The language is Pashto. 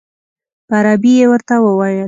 په عربي یې ورته وویل.